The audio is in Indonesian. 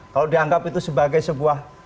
kalau dianggap itu sebagai sebuah